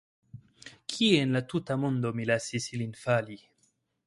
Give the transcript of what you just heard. Kie en la tuta mondo mi lasis ilin fali?